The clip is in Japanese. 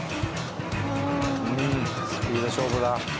スピード勝負だ。